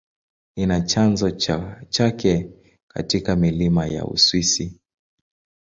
Ina chanzo chake katika milima ya Uswisi.